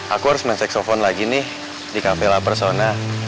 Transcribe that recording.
aku harus main seksofon lagi nih di cafe la persona